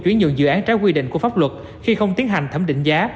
chuyển nhượng dự án trái quy định của pháp luật khi không tiến hành thẩm định giá